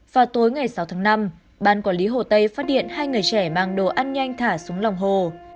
vào tối ngày sáu tháng năm ban quản lý hồ tây phát điện hai người trẻ mang đồ ăn nhanh thả xuống lòng hồ